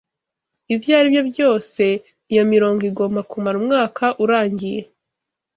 Ibyo aribyo byose, iyo mirongo igomba kumara umwaka urangiye